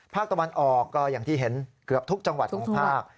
ภาคตะวันออกก็อย่างที่เห็นเกือบทุกจังหวัดของภาค